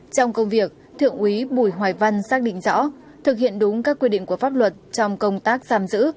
trong công việc thượng úy bùi hoài văn xác định rõ thực hiện đúng các quy định của pháp luật trong công tác giam giữ